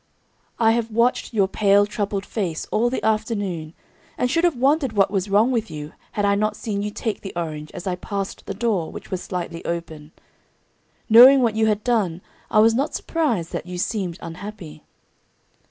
I have watched your pale, troubled face all the afternoon, and should have wondered what was wrong with you had I not seen you take the orange as I passed the door, which was slightly open. Knowing what you had done, I was not surprised that you seemed unhappy."